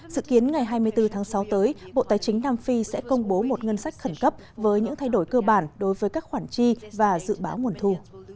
dự kiến ngày hai mươi bốn tháng sáu tới bộ tài chính nam phi sẽ công bố một ngân sách khẩn cấp với những thay đổi cơ bản đối với các khoản chi và dự báo nguồn thu